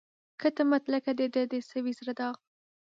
کټ مټ لکه د ده د سوي زړه داغ